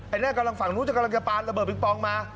ไอ้แน่กำลังฝั่งโน้ทกำลังจะปานระเบิดปริงปรองมา